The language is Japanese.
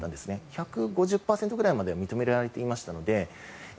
１５０％ぐらいまでは認められていましたので。